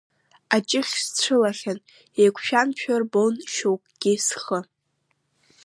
Аҷыхь сцәылахьан, еиқәшәамшәа рбон шьоукгьы схы.